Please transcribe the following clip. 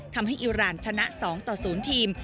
ทำให้อิลรานชนะ๒ต่อ๐ทีม